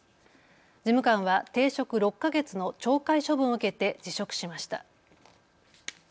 事務官は停職６か月の懲戒処分を受けて辞職しました。